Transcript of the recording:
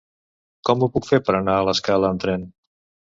Com ho puc fer per anar a l'Escala amb tren?